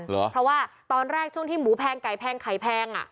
เพราะว่าตอนแรกช่วงที่หมูแพงไก่แพงไข่แพงอ่ะ